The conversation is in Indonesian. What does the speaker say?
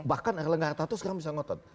bahkan erlangga arta thour sekarang bisa ngotot